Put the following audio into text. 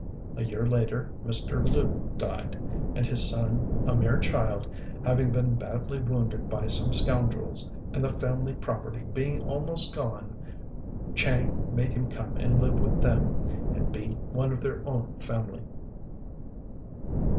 A year later Mr. Lu died; and his son, a mere child, having been badly wounded by some scoundrels, and the family property being almost gone, Chang made him come and live with them, and be one of their own family.